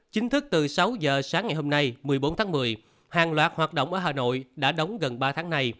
chính thức từ sáu giờ sáng ngày hôm nay một mươi bốn tháng một mươi hàng loạt hoạt động ở hà nội đã đóng gần ba tháng nay